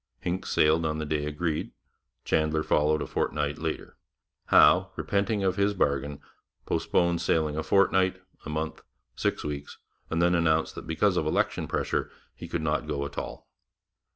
Hincks sailed on the day agreed; Chandler followed a fortnight later; Howe, repenting of his bargain, postponed sailing a fortnight, a month, six weeks, and then announced that because of election pressure he could not go at all.